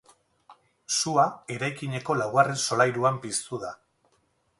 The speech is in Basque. Sua eraikineko laugarren solairuan piztu da.